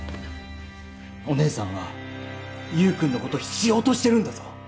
お姉さんは優くんのこと必要としてるんだぞ！